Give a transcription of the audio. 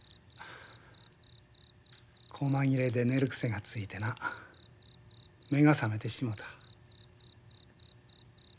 こま切れで寝る癖がついてな目が覚めてしもた。